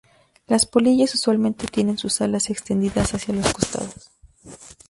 Las polillas usualmente tienen sus alas extendidas hacia los costados.